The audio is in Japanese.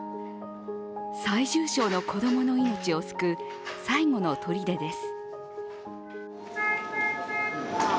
最重症の子供の命を救う最後のとりでです。